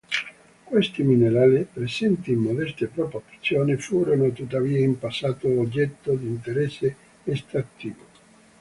Questi minerali, presenti in modeste proporzioni, furono tuttavia in passato oggetto di interesse estrattivo.